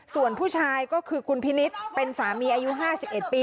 ส่วนผู้ชายก็คือคุณพินิษฐ์เป็นสามีอายุ๕๑ปี